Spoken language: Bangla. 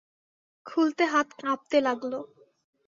খুলতে হাত কাঁপতে লাগল।